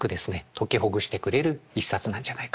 解きほぐしてくれる一冊なんじゃないかなと。